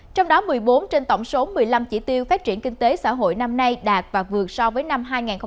trong đó một mươi bốn trên tổng số một mươi năm chỉ tiêu phát triển kinh tế xã hội năm nay đạt và vượt so với năm hai nghìn một mươi tám